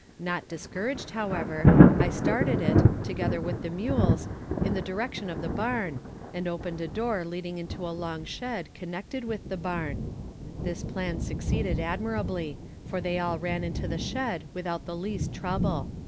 Not discouraged, however, I started it, together with the mules, in the direction of the barn, and opened a door leading into a long shed connected with the barn. This plan succeeded admirably, for they all ran into the shed without the least trouble.